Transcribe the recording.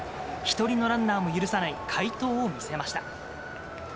１人のランナーも許さない快投を見せました。